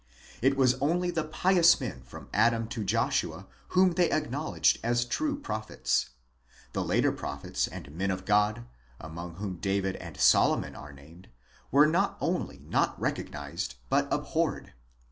It was only the pious men from Adam to Joshua whom they acknowledged as true prophets: the later prophets and men of God, among whom David and Solomon are named, were not only not recognized, but abhorred.